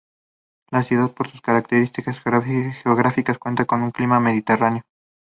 La ciudad, por sus características geográficas, cuenta con un clima mediterráneo.